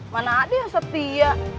mana ada yang setia